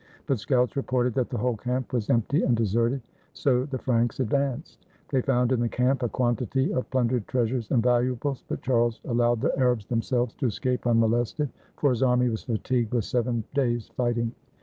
But scouts reported that the whole camp was empty and deserted, so the Franks advanced. They found in the camp a quantity of plundered treasures and valuables. But Charles al lowed the Arabs themselves to escape unmolested, for his army was fatigued with seven days' fighting.